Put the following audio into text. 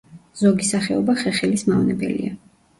ზოგი სახეობა ხეხილის მავნებელია.